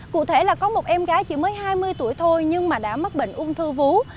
cụ thể là có một em gái chỉ mới hai mươi tuổi thôi nhưng mà đã mắc bệnh ung thư vú